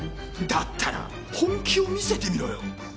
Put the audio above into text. だったら本気を見せてみろよ。